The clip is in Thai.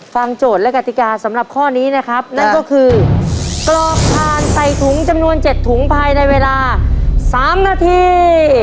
โจทย์และกติกาสำหรับข้อนี้นะครับนั่นก็คือกรอกทานใส่ถุงจำนวน๗ถุงภายในเวลา๓นาที